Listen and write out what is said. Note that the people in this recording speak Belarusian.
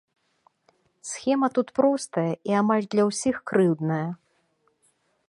Схема тут простая, і амаль для ўсіх крыўдная.